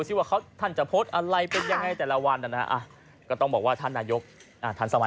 ถูกต้องในเฟซบุ๊คในไอจีในทวิตเตอร์